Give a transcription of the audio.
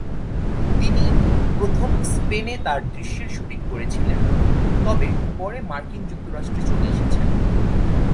তিনি প্রথমে স্পেনে তার দৃশ্যের শুটিং করেছিলেন, তবে পরে মার্কিন যুক্তরাষ্ট্রে চলে এসেছেন।